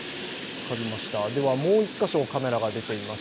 もう１か所、カメラが出ています。